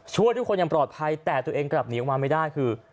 ช่วยทุกคนอย่างปลอดภัยแต่ตัวเองกลับหนีออกมาไม่ได้คือ